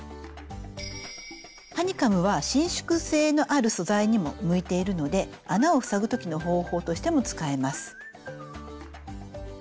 ハニカムは伸縮性のある素材にも向いているので穴を塞ぐ時の方法としても使えます。